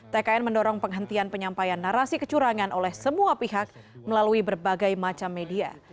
tkn mendorong penghentian penyampaian narasi kecurangan oleh semua pihak melalui berbagai macam media